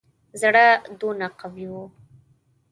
زړه دونه قوي وو.